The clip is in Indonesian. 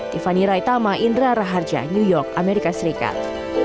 tiffany raitama indra raharja new york amerika serikat